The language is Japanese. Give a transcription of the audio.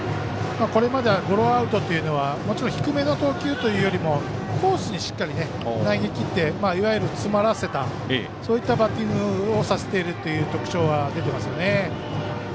これまではゴロアウトはもちろん低めの投球というよりはコースにしっかり投げきっていわゆる詰まらせたそういったバッティングをさせているという特徴が出ていますよね。